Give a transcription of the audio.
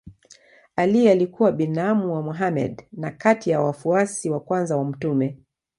Ali alikuwa binamu wa Mohammed na kati ya wafuasi wa kwanza wa mtume.